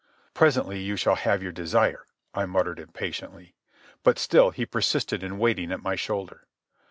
"Presently you shall have your desire," I muttered impatiently. But still he persisted in waiting at my shoulder.